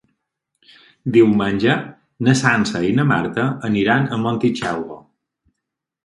Diumenge na Sança i na Marta aniran a Montitxelvo.